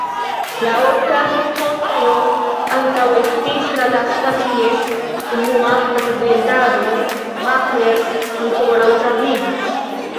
La oka simfonio ankaŭ estis la lasta, kies unuan prezentadon Mahler ankoraŭ travivis.